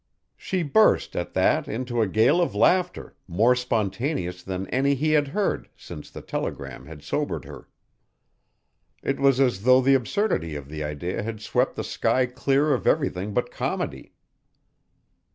She burst, at that, into a gale of laughter more spontaneous than any he had heard since the telegram had sobered her. It was as though the absurdity of the idea had swept the sky clear of everything but comedy.